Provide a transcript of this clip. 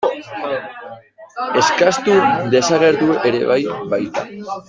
Eskastu desagertu ere bai baita.